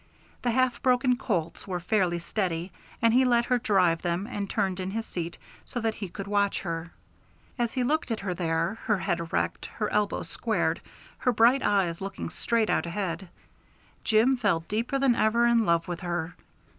The half broken colts were fairly steady and he let her drive them and turned in his seat so that he could watch her. As he looked at her there, her head erect, her elbows squared, her bright eyes looking straight out ahead, Jim fell deeper than ever in love with her.